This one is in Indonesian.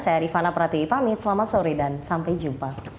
saya rifana pratiwi pamit selamat sore dan sampai jumpa